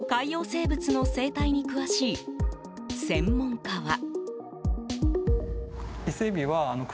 福島の海洋生物の生態に詳しい専門家は。